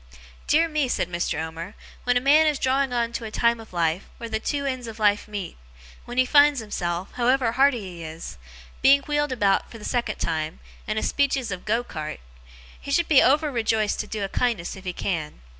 Dear me!' said Mr. Omer, 'when a man is drawing on to a time of life, where the two ends of life meet; when he finds himself, however hearty he is, being wheeled about for the second time, in a speeches of go cart; he should be over rejoiced to do a kindness if he can.